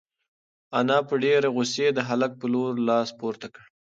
انا په ډېرې غوسې د هلک په لور لاس پورته کړ.